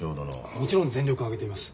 もちろん全力を挙げています。